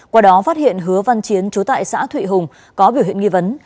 qua đó phát hiện hứa văn chiến chú tại xã thụy hùng có biểu hiện nghi vấn